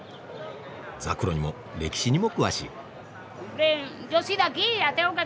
ザクロにも歴史にも詳しい。